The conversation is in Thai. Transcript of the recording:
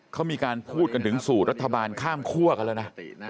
เขามีการพูดกันถึงสูตรรัฐบาลข้ามคั่วกันแล้วนะ